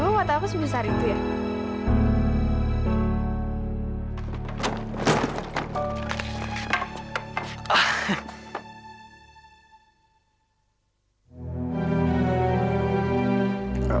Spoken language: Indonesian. emang mata apa sebesar itu ya